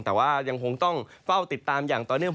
แต่ว่ายังคงต้องเฝ้าติดตามอย่างต่อเนื่อง